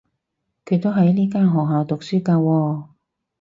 佢都喺呢間學校讀書㗎喎